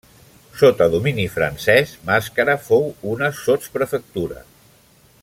Sota domini francès Mascara fou una sotsprefectura.